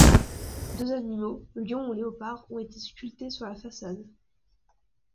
Deux animaux - lions ou léopards - ont été sculptés sur la façade.